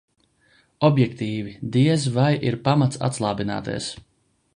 Objektīvi diez vai ir pamats atslābināties.